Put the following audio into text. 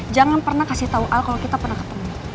jangan pernah kasih tau al kalau kita pernah ketemu